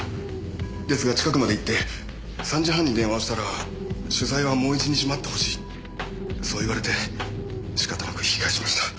ですが近くまで行って３時半に電話をしたら取材はもう１日待ってほしいそう言われて仕方なく引き返しました。